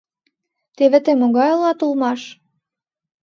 Теве тый могай улат улмаш?